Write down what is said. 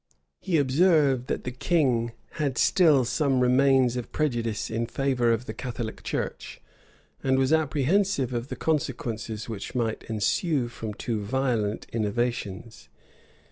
He observed that the king had still some remains of prejudice in favor of the Catholic church, and was apprehensive of the consequences which might ensue from too violent innovations.